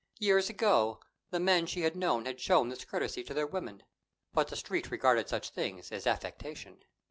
Years ago, the men she had known had shown this courtesy to their women; but the Street regarded such things as affectation.